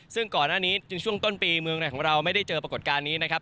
ซึ่งก่อนหน้านี้จึงช่วงต้นปีเมืองไหนของเราไม่ได้เจอปรากฏการณ์นี้นะครับ